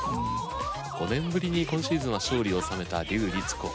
５年ぶりに今シーズンは勝利を収めた笠りつ子。